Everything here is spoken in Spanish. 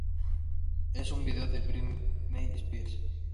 Es un video de Britney Spears.